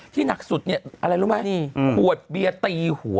หนักสุดเนี่ยอะไรรู้ไหมขวดเบียร์ตีหัว